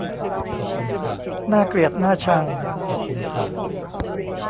น่าเกลียดน่าชัง